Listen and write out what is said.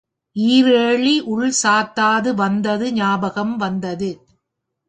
இரேழி உள் சாத்தாது வந்தது ஞாபகம் வந்தது.